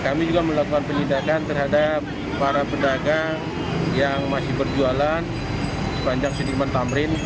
kami juga melakukan penindakan terhadap para pedagang yang masih berjualan sepanjang sudirman tamrin